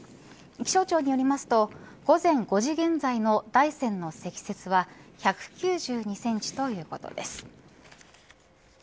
気象庁によりますと午前５時現在の大山の積雪は１９２センチということです。